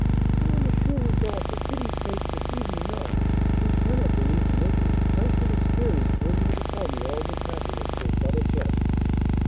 "Ah, M. Rodolph, for pity's sake deceive me not; you cannot believe the misery I should experience were you to tell me all this happiness was but a jest."